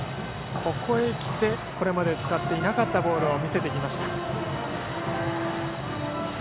ここへ来てこれまで使っていなかったボール見せてきました。